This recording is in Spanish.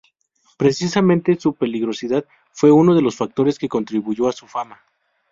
Precisamente su peligrosidad fue uno de los factores que contribuyó a su fama.